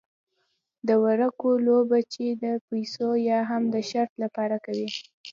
د ورقو لوبه چې د پیسو یا هم د شرط لپاره کوي.